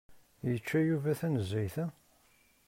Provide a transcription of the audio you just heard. Yečča Yuba tanezzayt-a?